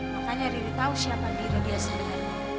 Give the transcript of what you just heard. makanya riri tahu siapa diri dia sendiri